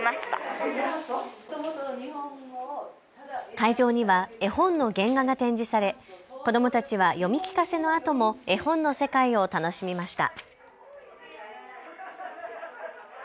会場には絵本の原画が展示され子どもたちは読み聞かせのあとも絵本の世界を楽しみました。